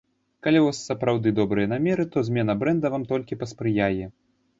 Калі ў вас сапраўды добрыя намеры, то змена брэнда вам толькі паспрыяе.